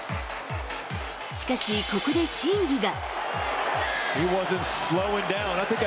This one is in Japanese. しかしここで審議が。